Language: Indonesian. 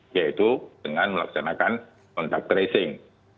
yaitu dengan melaksanakan kontak tracing